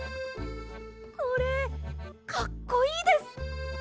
これかっこいいです！